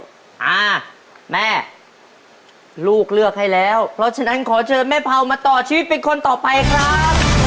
อ่าแม่ลูกเลือกให้แล้วเพราะฉะนั้นขอเชิญแม่เผามาต่อชีวิตเป็นคนต่อไปครับ